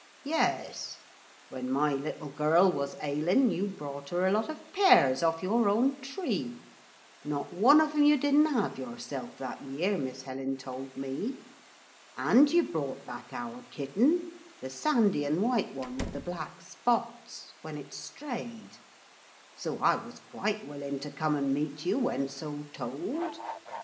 'Yes; when my little girl was ailing you brought her a lot of pears off your own tree. Not one of 'em you didn't 'ave yourself that year, Miss Helen told me. And you brought back our kitten the sandy and white one with black spots when it strayed. So I was quite willing to come and meet you when so told.